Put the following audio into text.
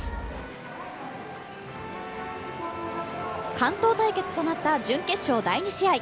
関東対決となった準決勝第２試合